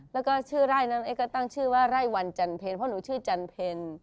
แล้วก็ชื่อไร่นั้นก็ตั้งชื่อว่าไร่วันจำเป็นเพราะหนูชื่อจำเป็น